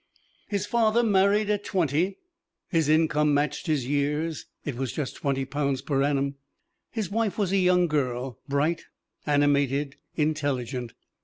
His father married at twenty. His income matched his years it was just twenty pounds per annum. His wife was a young girl, bright, animated, intelligent.